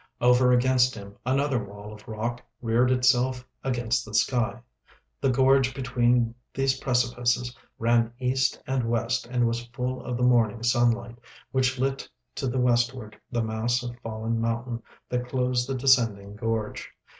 Over against him another wall of rock reared itself against the sky. The gorge between these precipices ran east and west and was full of the morning sunlight, which lit to the westward the mass of fallen mountain that closed the descending gorge.